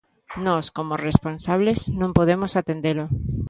Nós, como responsables, non podemos atendelo.